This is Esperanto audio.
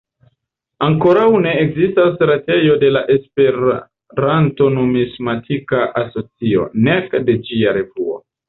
Ankoraŭ ne ekzistas retejo de la Esperanto-Numismatika Asocio, nek de ĝia revuo.